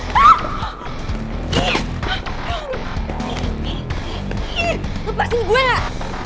lepasin gue gak